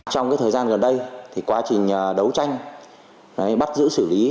trong thời gian gần đây quá trình đấu tranh bắt giữ xử lý